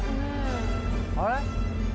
あれ？